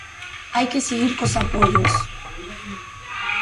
Hai que seguir cos apoios.